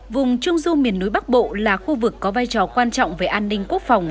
vùng trung du miền núi bắc bộ là khu vực có vai trò quan trọng về an ninh quốc phòng